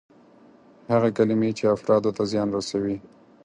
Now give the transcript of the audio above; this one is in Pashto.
هغه کلمې چې افرادو ته زیان رسوي.